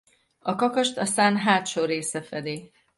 A kakast a szán hátsó része fedi.